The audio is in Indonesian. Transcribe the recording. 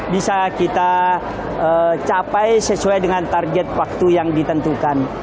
bisa kita capai sesuai dengan target waktu yang ditentukan